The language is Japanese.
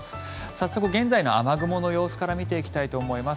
早速、現在の雨雲の様子から見ていきたいと思います。